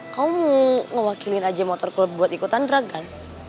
kamu ngewakilin aja motorclub buat ikutan drag kan